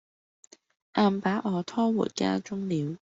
硬把我拖回家中了。